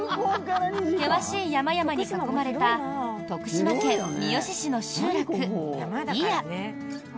険しい山々に囲まれた徳島県三好市の集落、祖谷。